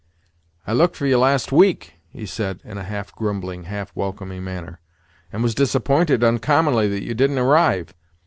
"I looked for you last week," he said, in a half grumbling, half welcoming manner; "and was disappointed uncommonly that you didn't arrive.